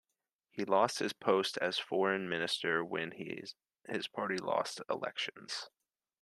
He lost his post as foreign minister when his party lost elections.